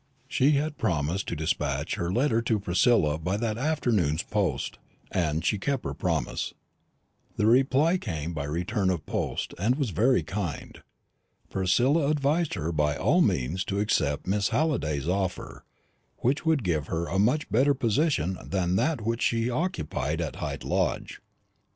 She had promised to despatch her letter to Priscilla by that afternoon's post, and she kept her promise. The reply came by return of post, and was very kind. Priscilla advised her by all means to accept Miss Halliday's offer, which would give her a much better position than that which she occupied at Hyde Lodge.